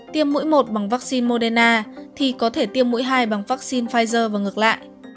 tiêm mũi một bằng vaccine moderna thì có thể tiêm mũi hai bằng vaccine pfizer và ngược lại